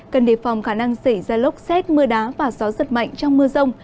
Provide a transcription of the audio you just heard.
cần đề phòng khả năng xảy ra lốc xét mưa đá và gió giật mạnh trong mưa rông